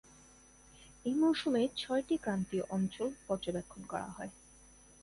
এই মৌসুমে ছয়টি ক্রান্তীয় অঞ্চল পর্যবেক্ষণ করা হয়।